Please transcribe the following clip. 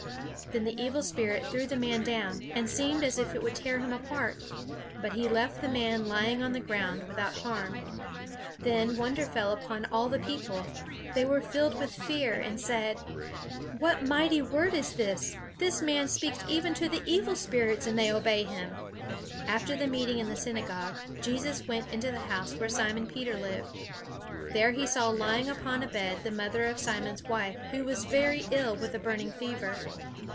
Then the evil spirit threw the man down, and seemed as if he would tear him apart; but he left the man lying on the ground, without harm. Then wonder fell upon all the people. They were filled with fear, and said: "What mighty word is this? This man speaks even to the evil spirits, and they obey him!" After the meeting in the synagogue, Jesus went into the house where Simon Peter lived. There he saw lying upon a bed the mother of Simon's wife, who was very ill with a burning fever.